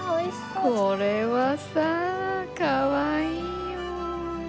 これはさかわいいよ。